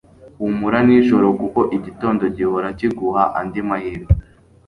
humura nijoro, kuko igitondo gihora kiguha andi mahirwe